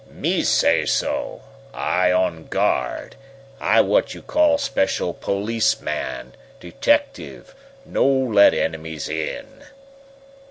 "Me I say so! I on guard. I what you call special policeman detectiff no let enemies in!"